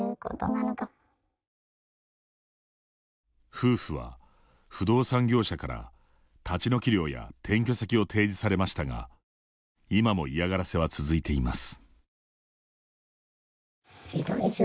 夫婦は、不動産業者から立ち退き料や転居先を提示されましたが今も嫌がらせは続いています。